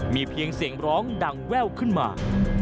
มีเพียงเสียงร้องดังแว่วขึ้นมา